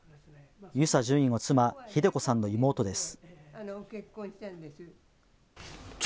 遊佐准尉の妻、秀子さんの妹です。